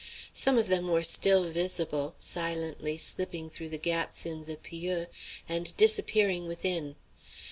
Some of them were still visible, silently slipping through the gaps in the pieux and disappearing within.